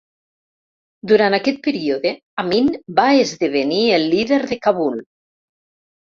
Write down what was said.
Durant aquest període, Amin va esdevenir el líder de Kabul.